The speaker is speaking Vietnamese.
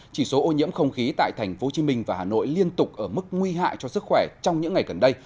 chỉ số ô nhiễm không khí tại tp hcm và hà nội liên tục ở mức nguy hại cho sức khỏe trong những ngày gần đây